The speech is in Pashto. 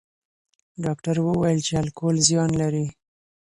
ډاکټر وویل چې الکول زیان لري.